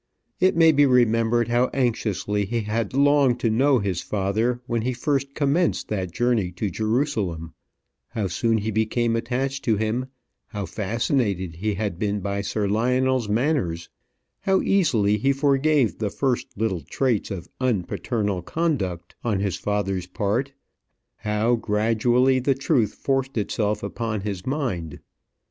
It may be remembered how anxiously he had longed to know his father when he first commenced that journey to Jerusalem, how soon he became attached to him, how fascinated he had been by Sir Lionel's manners, how easily he forgave the first little traits of un paternal conduct on his father's part, how gradually the truth forced itself upon his mind.